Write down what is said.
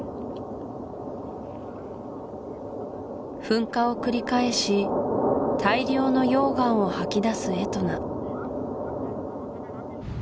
噴火を繰り返し大量の溶岩を吐き出すエトナ